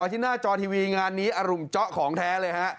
ที่หน้าจอทีวีงานนี้อรุมเจาะของแท้เลยฮะ